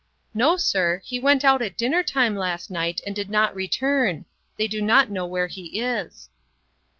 " No, sir. He went out at dinner time last night and did not return. They do not know where he is."